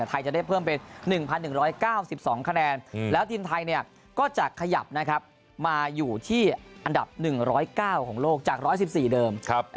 ไทยจะได้เพิ่มเป็น๑๑๙๒คะแนนแล้วทีมไทยก็จะขยับนะครับมาอยู่ที่อันดับ๑๐๙ของโลกจาก๑๑๔เดิม